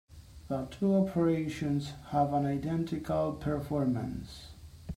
The two operations have an identical performance.